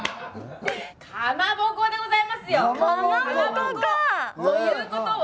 かまぼこでございますよかまぼこ！ということは？